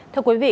thưa quý vị